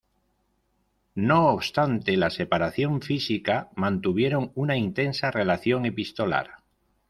No obstante la separación física, mantuvieron una intensa relación epistolar.